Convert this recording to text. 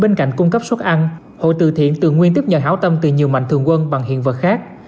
bên cạnh cung cấp suất ăn hội từ thiện thường nguyên tiếp nhận hảo tâm từ nhiều mạnh thường quân bằng hiện vật khác